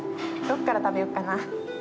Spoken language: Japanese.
どこから食べようかな？